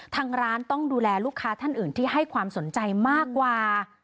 ทางร้านต้องดูแลลูกค้าท่านอื่นที่ให้ความสนใจมากกว่า